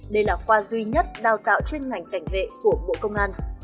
đây là khoa duy nhất đào tạo chuyên ngành cảnh vệ của bộ công an